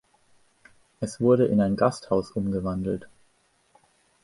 Es wurde in ein Gasthaus umgewandelt.